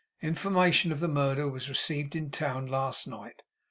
Information of the murder was received in town last night.